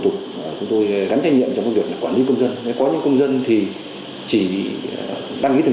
nông dân chúng tôi gắn trách nhiệm trong việc quản lý công dân có những công dân thì chỉ đăng ký thường